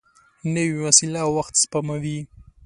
نوې وسېله وخت سپموي